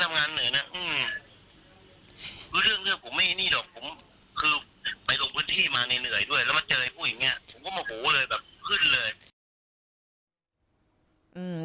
แล้วมาเจอให้ผู้หญิงนี้ผมก็มาโหวเลยแบบขึ้นเลย